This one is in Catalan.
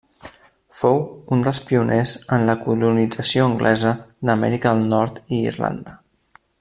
Fou un dels pioners en la colonització anglesa d'Amèrica del Nord i d'Irlanda.